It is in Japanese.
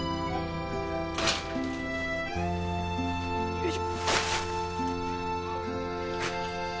よいしょ。